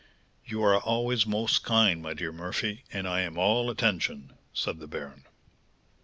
"You are always most kind, my dear Murphy, and I am all attention," said the baron.